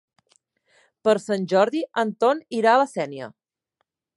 Per Sant Jordi en Ton irà a la Sénia.